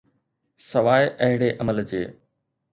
سواءِ اهڙي عمل جي.